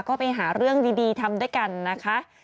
ก็ไปหาเรื่องดีทำด้วยกันนะคะ